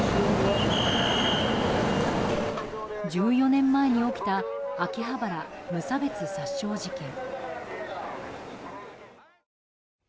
１４年前に起きた秋葉原無差別殺傷事件。